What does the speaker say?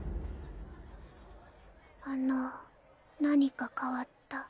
あの何か変わった？